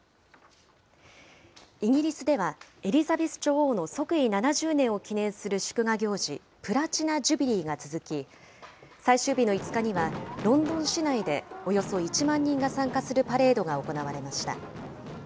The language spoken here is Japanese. イギリスでは、エリザベス女王の即位７０年を記念する祝賀行事、プラチナ・ジュビリーが続き、最終日の５日には、ロンドン市内でおよそ１万人が参加するパレードが行われました。